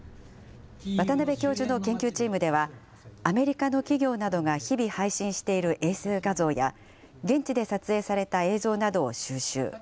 渡邉教授の研究チームではアメリカの企業などが日々配信している衛星画像や現地で撮影された映像などを収集。